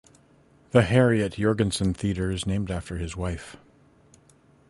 The Harriet Jorgensen Theatre is named after his wife.